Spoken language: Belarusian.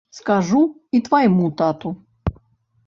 Скажу і твайму тату!